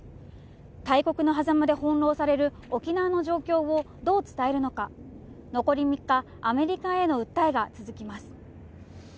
大国のはざまで翻弄される沖縄の状況をどう伝えるのか、残り３日アメリカへの訴えが続きます